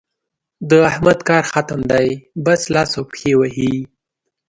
د احمد کار ختم دی؛ بس لاس او پښې وهي.